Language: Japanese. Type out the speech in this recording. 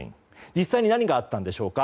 実際に何があったんでしょうか。